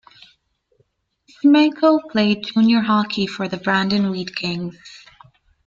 Semenko played junior hockey for the Brandon Wheat Kings.